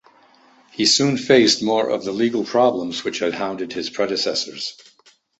He soon faced more of the legal problems which had hounded his predecessors.